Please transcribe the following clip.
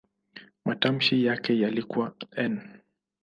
Matamshi yake yalikuwa "n".